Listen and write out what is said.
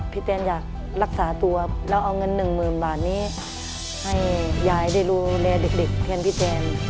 พี่แตนอยากรักษาตัวแล้วเอาเงิน๑๐๐๐๐บาทนี้ให้ยายได้รูแลเด็กแทนพี่แจน